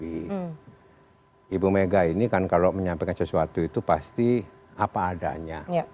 ibu mega ini kan kalau menyampaikan sesuatu itu pasti apa adanya